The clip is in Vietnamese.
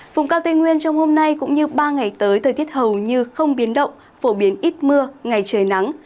vùng cao tây nguyên trong hôm nay cũng như ba ngày tới thời tiết hầu như không biến động phổ biến ít mưa ngày trời nắng